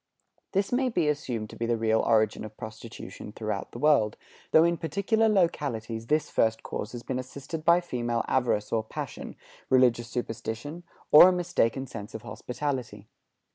This may be assumed to be the real origin of prostitution throughout the world, though in particular localities this first cause has been assisted by female avarice or passion, religious superstition, or a mistaken sense of hospitality.